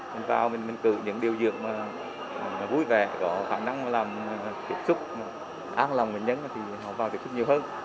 mình vào mình cử những điều dược mà vui vẻ có khả năng làm kiểm trúc an lòng bệnh nhân thì họ vào kiểm trúc nhiều hơn